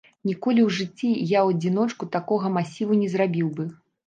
Ніколі ў жыцці я ў адзіночку такога масіву не зрабіў бы.